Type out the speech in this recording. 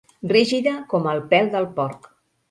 Rígida com el pèl del porc.